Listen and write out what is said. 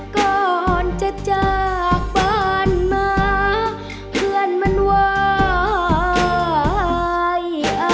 ก่อนจะจากบ้านมาเพื่อนมันวาย